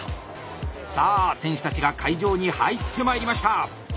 さあ選手たちが会場に入ってまいりました。